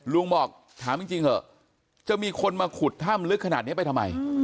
ลุงบอกถามจริงเถอะจะมีคนมาขุดถ้ำลึกขนาดนี้ไปทำไม